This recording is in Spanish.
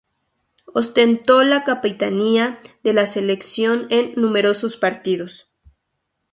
Ostentó la capitanía de la selección en numerosos partidos.